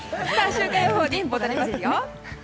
週間予報に戻りますよ。